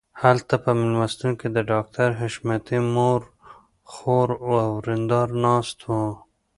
هلته په مېلمستون کې د ډاکټر حشمتي مور خور او ورېندار ناست وو